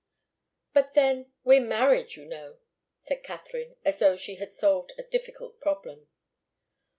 "But then, we're married, you know," said Katharine, as though she had solved a difficult problem.